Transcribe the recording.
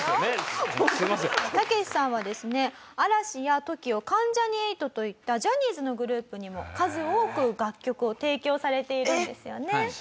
タケシさんはですね嵐やＴＯＫＩＯ関ジャニ∞といったジャニーズのグループにも数多く楽曲を提供されているんですよね。